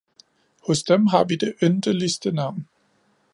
Hos dem har vi det yndeligste navn